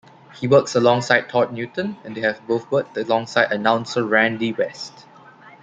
He works alongside Todd Newton and they have both worked alongside announcer Randy West.